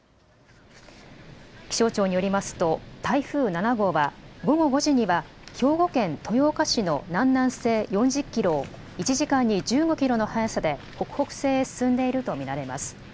気象庁によりますと、台風７号は、午後５時には、兵庫県豊岡市の南南西４０キロを１時間に１５キロの速さで北北西へ進んでいると見られます。